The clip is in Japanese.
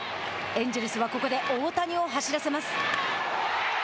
エンジェルスはここで大谷を走らせます。